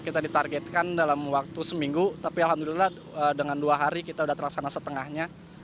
kita ditargetkan dalam waktu seminggu tapi alhamdulillah dengan dua hari kita sudah terlaksana setengahnya